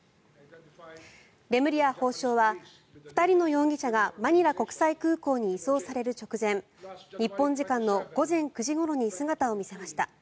レムリヤ法相は２人の容疑者がマニラ国際空港に移送される直前日本時間の午前９時ごろに姿を見せました。